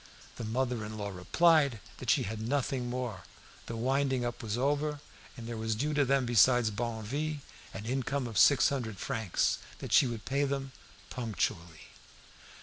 The mother in law replied that she had nothing more, the winding up was over, and there was due to them besides Barneville an income of six hundred francs, that she would pay them punctually.